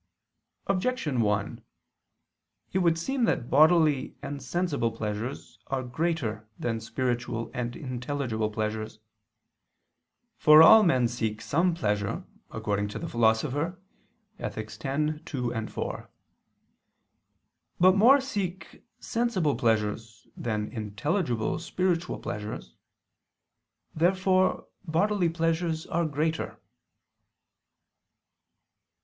Objection 1: It would seem that bodily and sensible pleasures are greater than spiritual and intelligible pleasures. For all men seek some pleasure, according to the Philosopher (Ethic. x, 2, 4). But more seek sensible pleasures, than intelligible spiritual pleasures. Therefore bodily pleasures are greater.